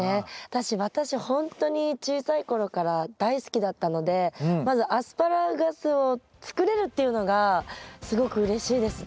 私ほんとに小さいころから大好きだったのでまずアスパラガスを作れるっていうのがすごくうれしいですね。